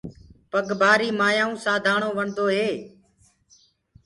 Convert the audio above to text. پگ ڀآري مآيآئوُنٚ سانڌآڻو وڻدو هي۔